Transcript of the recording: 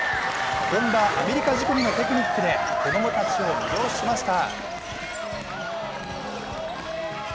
本場アメリカ仕込みのテクニックで子供たちを魅了しました。